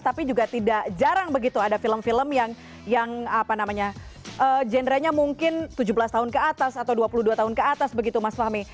tapi juga tidak jarang begitu ada film film yang apa namanya genre nya mungkin tujuh belas tahun ke atas atau dua puluh dua tahun ke atas begitu mas fahmi